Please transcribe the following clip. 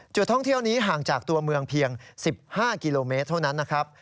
ท่องเที่ยวนี้ห่างจากตัวเมืองเพียง๑๕กิโลเมตรเท่านั้นนะครับ